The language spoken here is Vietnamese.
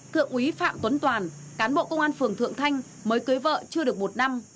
thượng úy phạm tuấn toàn cán bộ công an phường thượng thanh mới cưới vợ chưa được một năm